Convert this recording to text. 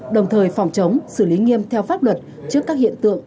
đồng thời phòng chống xử lý nghiêm theo pháp luật trước các hiện tượng